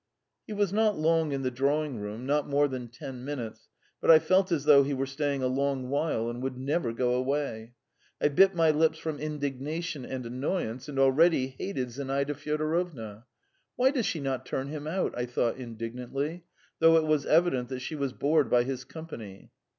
He was not long in the drawing room, not more than ten minutes, but I felt as though he were staying a long while and would never go away. I bit my lips from indignation and annoyance, and already hated Zinaida Fyodorovna. "Why does she not turn him out?" I thought indignantly, though it was evident that she was bored by his company.